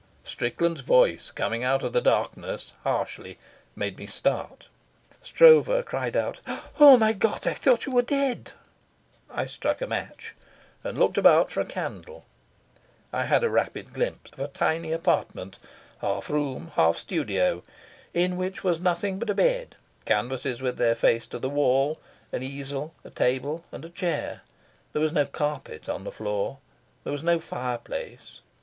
Strickland's voice, coming out of the darkness, harshly, made me start. Stroeve cried out. "Oh, my God, I thought you were dead." I struck a match, and looked about for a candle. I had a rapid glimpse of a tiny apartment, half room, half studio, in which was nothing but a bed, canvases with their faces to the wall, an easel, a table, and a chair. There was no carpet on the floor. There was no fireplace.